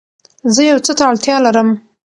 زه يو څه ته اړتيا لرم